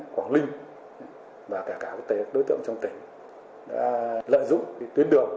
quảng linh và cả các đối tượng trong tỉnh đã lợi dụng tuyến đường